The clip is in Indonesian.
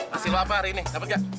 hasil lo apa hari ini dapet gak